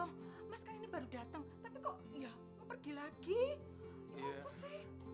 mas kan ini baru dateng tapi kok ya mau pergi lagi